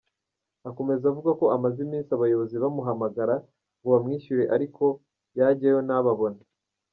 Akomeza avuga ko amaze iminsi abayobozi bamuhamagara ngo bamwishyure ariko yajyayo ntababone.